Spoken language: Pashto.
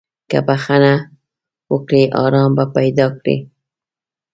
که بخښنه وکړې، ارام به پیدا کړې.